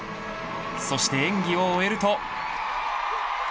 そして演技を終えると。